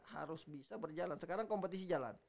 harus bisa berjalan sekarang kompetisi jalan